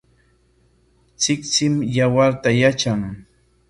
Tsiktsim yawarta yatran.